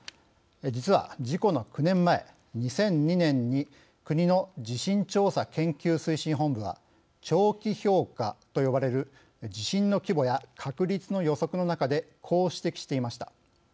実は事故の９年前２００２年に国の地震調査研究推進本部は長期評価と呼ばれる地震の規模や確率の予測の中でこう指摘していました。